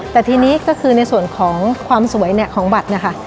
แต่ทีนี้ก็คือในส่วนของความสวยของบัตร